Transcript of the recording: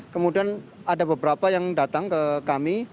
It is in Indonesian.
kemudian ada beberapa yang datang ke kami